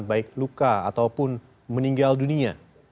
baik luka ataupun meninggal dunia